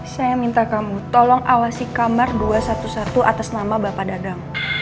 saya minta kamu tolong awasi kamar dua ratus sebelas atas nama bapak dadang